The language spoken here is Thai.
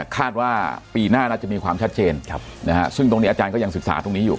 คาดว่าปีหน้าน่าจะมีความชัดเจนซึ่งตรงนี้อาจารย์ก็ยังศึกษาตรงนี้อยู่